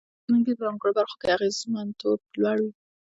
په ځینو ځانګړو برخو کې اغېزمنتوب لوړ وي.